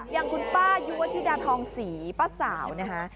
อย่างคุณป้ายุวธิดาทองศรีป้าสาวนะคะ